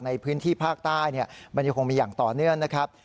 ในพื้นที่ภาคใต้มันยังคงมีอย่างต่อเนื่องนะครับ